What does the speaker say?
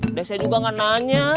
udah saya juga gak nanya